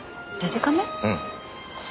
うん。